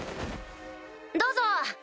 どうぞ！